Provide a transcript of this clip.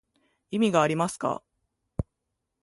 意味がありますか